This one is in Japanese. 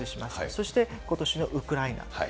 そしてことしのウクライナ。